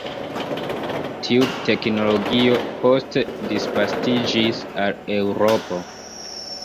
Tiu teknologio poste disvastiĝis al Eŭropo.